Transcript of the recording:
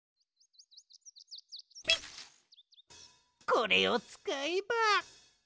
これをつかえば。